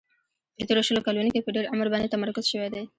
په تیرو شلو کلونو کې په ډېر عمر باندې تمرکز شوی دی.